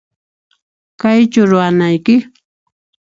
Kaychu ruwanayki?